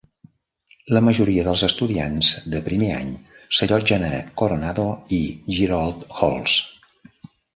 La majoria dels estudiants de primer any s'allotgen a Coronado i Girault Halls.